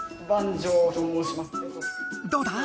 どうだ？